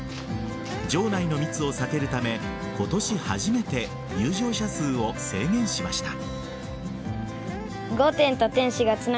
城内の密を避けるため今年初めて入場者数を制限しました。